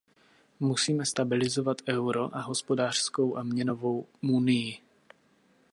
Musíme stabilizovat euro a hospodářskou a měnovou unii.